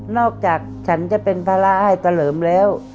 นอกจากฉันจะเป็นภาระให้เตลิมแล้ว